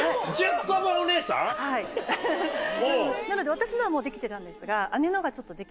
なので私のはもうできてたんですが。